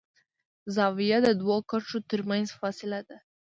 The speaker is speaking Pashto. زاویه د دوو کرښو تر منځ فاصله ده.